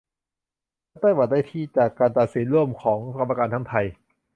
และไต้หวันได้ที่ จากการตัดสินร่วมของกรรมการทั้งไทย